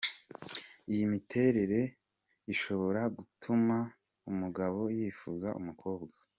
Iyi miterere ishobora gutuma umugabo yifuza umukobwa.